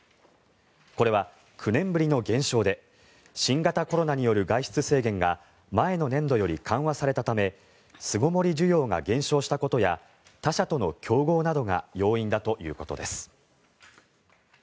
これは９年ぶりの減少で新型コロナによる外出制限が前の年度より緩和されたため巣ごもり需要が減少したことや他社との競合などが要因だということです。